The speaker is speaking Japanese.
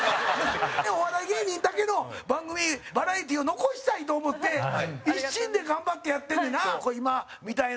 お笑い芸人だけの番組バラエティーを残したいと思って一心で頑張ってやってんねんな。